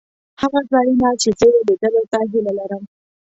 هغه ځایونه چې زه یې لیدلو ته هیله لرم.